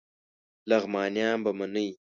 لغمانیان به منی